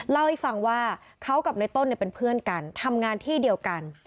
เล่าให้ฟังว่าเขากับในต้นเป็นเพื่อนกันทำงานที่เดียวกัน